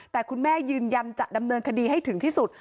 แต่คุณแม่ยืนยันจะดำเนินคดีให้ถึงที่สุด